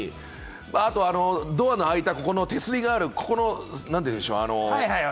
あとドアの開いたところの手すりがある、なんて言うんでしょう？